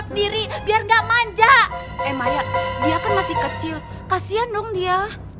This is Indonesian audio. sampai jumpa di video selanjutnya